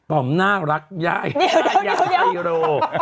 ป๋อมหน้ารักยักไซโร